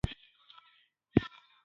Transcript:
شمال لور ته ودانۍ وه.